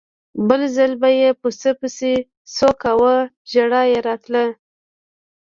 بل ځل به یې پسه پسې څو کاوه ژړا یې راتله.